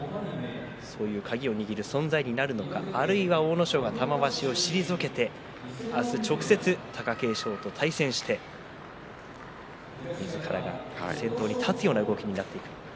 鍵を握る存在なのかあるいは阿武咲が玉鷲を退けて明日直接、貴景勝と対戦をしてみずからが先頭に立つ動きになるか。